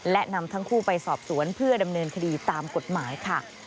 และนำทั้งคู่ไปสอบสวนเพื่อดำเนินคดีตามกฎหมายค่ะ